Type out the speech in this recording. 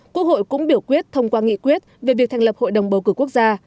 quốc hội cũng biểu quyết thông qua nghị quyết về việc thành lập hội đồng bầu cử quốc gia